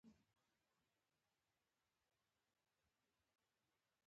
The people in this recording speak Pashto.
د چرسو څکول خو نوره معمولي کيسه وه.